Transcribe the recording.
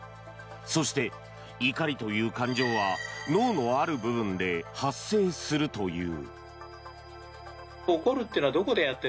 そして、怒りという感情は脳のある部分で発生するという。